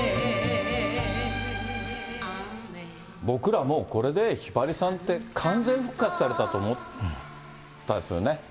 僕らもう、これでひばりさんって、完全復活されたと思ったんですよね。